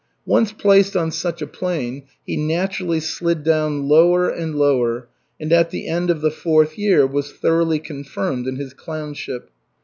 Once placed on such a plane, he naturally slid down lower and lower, and at the end of the fourth year was thoroughly confirmed in his clownship.